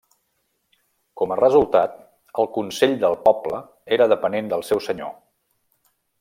Com a resultat el consell del poble era depenent del seu senyor.